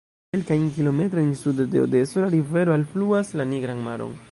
Kelkajn kilometrojn sude de Odeso la rivero alfluas la Nigran Maron.